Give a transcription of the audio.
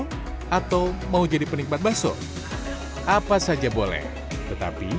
dendam dalam perusahaan persona mini ber sapi segera